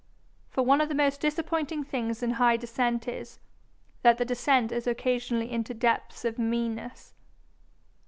For one of the most disappointing things in high descent is, that the descent is occasionally into depths of meanness.